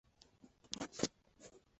中国近代著名的建筑师。